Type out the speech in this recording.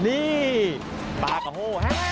นี่ปลากระโห้ฮะ